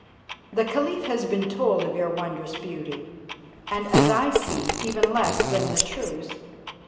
The Caliph has been told of your wondrous beauty, and as I see even less than the truth.